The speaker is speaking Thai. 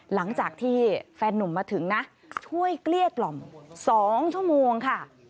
หลังจากที่แฟนนุ่มมาถึงนะช่วยเกลี้ยกล่อม๒ชั่วโมงค่ะ